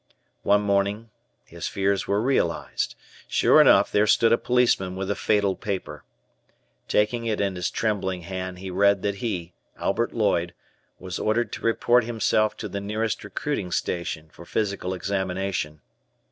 One morning his fears were realized. Sure enough there stood a policeman with the fatal paper. Taking it in his trembling hand, he read that he, Albert Lloyd, was ordered to report himself to the nearest recruiting station for physical examination.